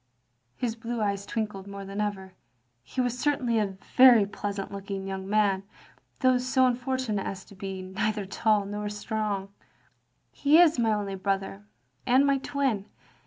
His blue eyes twinkled more than ever. He was certainly a very pleasant looking yoting man, though so unfortunate as to be neither tall nor strong. " He is my only brother, and my twin.